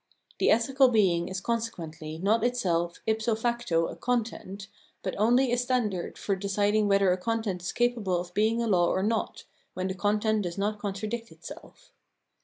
The ethical being is consequently not itself if so facto a content, but only a standard for deciding whether a content is capable of being a law or not, when the content does not contradict itself.